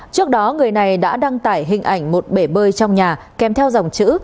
trước đó người này đã đăng tải hình ảnh một bể bơi trong nhà kèm theo dòng chữ